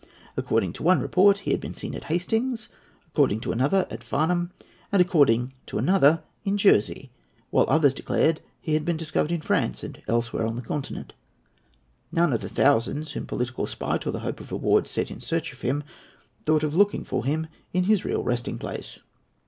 According to one report, he had been seen at Hastings, according to another, at Farnham, and according to another, in Jersey; while others declared that he had been discovered in France and elsewhere on the Continent. None of the thousands whom political spite or the hope of reward set in search of him thought of looking for him in his real resting place.